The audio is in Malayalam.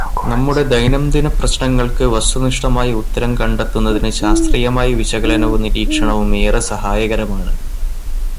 നമ്മുടെ ദൈനംദിന പ്രശ്നങ്ങള്ക്ക് വസ്തുനിഷ്ഠമായ ഉത്തരം കണ്ടെത്തുന്നതിനു ശാസ്ത്രീയമായ വിശകലനവും നിരീക്ഷണവും ഏറെ സഹായകരമാണ്.